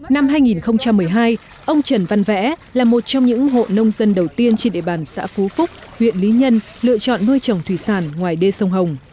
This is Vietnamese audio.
năm hai nghìn một mươi hai ông trần văn vẽ là một trong những hộ nông dân đầu tiên trên địa bàn xã phú phúc huyện lý nhân lựa chọn nuôi trồng thủy sản ngoài đê sông hồng